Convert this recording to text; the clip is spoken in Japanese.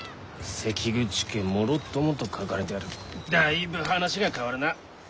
関口家もろともと書かれてあるだいぶ話が変わるな。